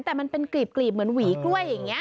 แต่มันเป็นกลีบเหมือนหวีกล้วยอย่างนี้